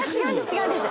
違うんです。